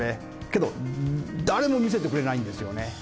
けど、誰も見せてくれないんですよね。